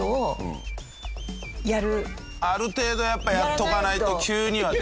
ある程度やっぱやっとかないと。